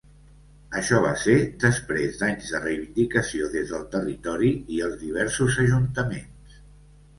Això va ser després d'anys de reivindicació des del territori i els diversos ajuntaments.